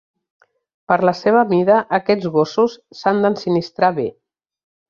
Per la seva mida, aquests gossos s'han d'ensinistrar bé.